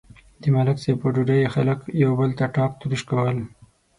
د ملک صاحب په ډوډۍ خلک یو بل ته ټاک تروش کول.